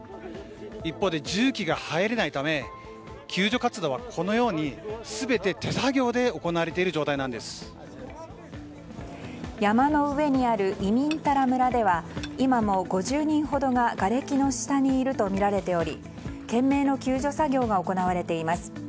一方で重機が入れないため救助活動はこのように全て手作業で行われている山の上にあるイミンタラ村では今も５０人ほどががれきの下にいるとみられており懸命の救助作業が行われています。